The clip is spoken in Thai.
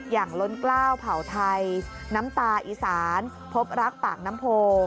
ล้นกล้าวเผ่าไทยน้ำตาอีสานพบรักปากน้ำโพ